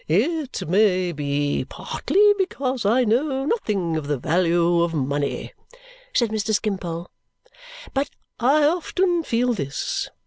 "It may be, partly, because I know nothing of the value of money," said Mr. Skimpole, "but I often feel this.